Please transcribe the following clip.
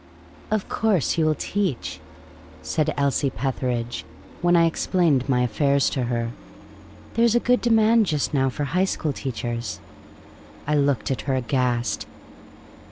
" Of course you will teach," said Elsie Petheridge, when I explained my affairs to her. '' There is a good demand just now for high school teachers." I looked at her, aghast.